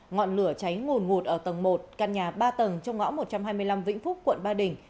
ngọn lửa cháy ngồn ngụt ở tầng một căn nhà ba tầng trong ngõ một trăm hai mươi năm vĩnh phúc quận ba đình